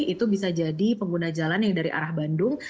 itu bisa jadi pengguna jalan yang dari arah bandung